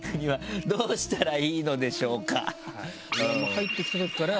入ってきたときから。